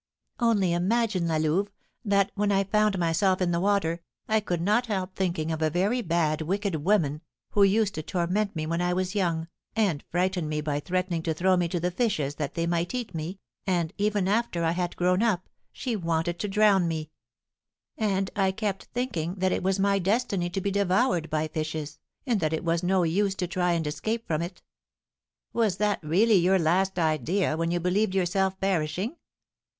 "Only imagine, La Louve, that, when I found myself in the water, I could not help thinking of a very bad, wicked woman, who used to torment me when I was young, and frighten me by threatening to throw me to the fishes that they might eat me, and, even after I had grown up, she wanted to drown me; and I kept thinking that it was my destiny to be devoured by fishes, and that it was no use to try and escape from it." "Was that really your last idea when you believed yourself perishing?"